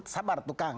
sabar tuh kang